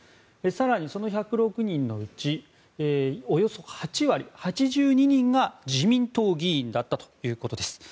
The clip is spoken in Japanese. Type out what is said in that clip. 更にその１０６人のうちおよそ８割、８２人が自民党議員だったということです。